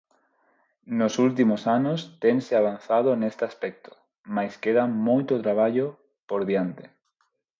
Nos últimos anos tense avanzado neste aspecto, mais queda moito traballo por diante.